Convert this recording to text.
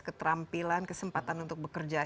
keterampilan kesempatan untuk bekerja